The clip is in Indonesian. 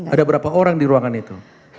ada berapa orang di ruangan itu